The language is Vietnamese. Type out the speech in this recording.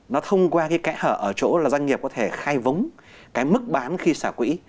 nó thông qua cái kẽ hở ở chỗ là doanh nghiệp có thể khai vống cái mức bán khi xả quỹ